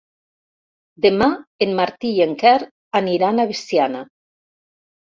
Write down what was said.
Demà en Martí i en Quer aniran a Veciana.